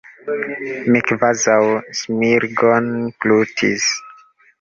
Mi kvazaŭ smirgon glutis.